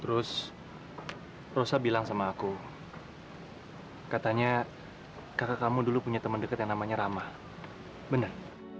terus rosa bilang sama aku katanya kakak kamu dulu punya teman dekat yang namanya ramah benar